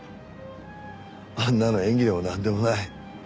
あんなの演技でもなんでもない。